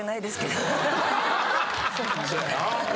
そやな。